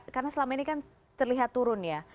karena selama ini kan terlihat turun ya